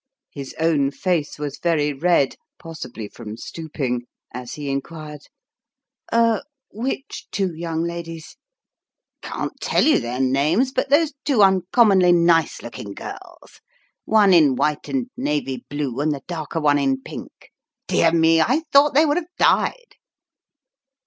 His own face was very red, possibly from stooping, as he in quired :" Er which two young ladies ?"" Can't tell you their names ; but those two uncommonly nice looking girls one in white and navy blue, and the darker one in pink. Dear me, I thought they would have died